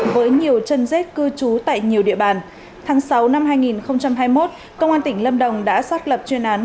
với nhiều chân rết cư trú tại nhiều địa bàn tháng sáu năm hai nghìn hai mươi một công an tỉnh lâm đồng đã xác lập chuyên án